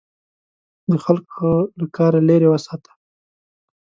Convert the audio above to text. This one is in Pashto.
د خلکو له کاره لیرې وساته.